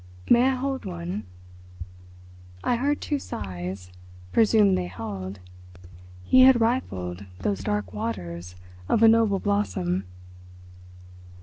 "May I hold one?" I heard two sighs—presumed they held—he had rifled those dark waters of a noble blossom.